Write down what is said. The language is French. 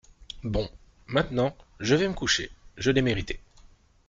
Bon, maintenant, je vais me coucher, je l’ai mérité.